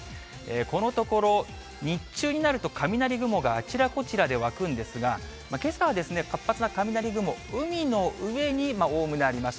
このところ、日中になると雷雲があちらこちらで湧くんですが、けさはですね、活発な雷雲、海の上におおむねあります。